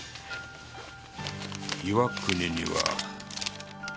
岩国には。